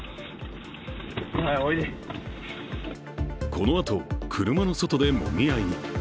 このあと、車の外でもみ合いに。